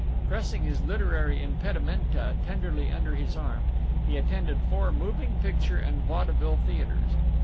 Pressing his literary impedimenta tenderly under his arm, he attended four moving picture and vaudeville theaters.